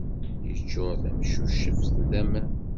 Yeččur tamcuceft d aman.